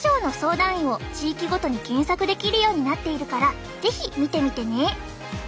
医を地域ごとに検索できるようになっているから是非見てみてね！